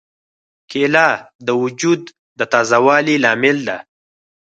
کېله د وجود د تازه والي لامل ده.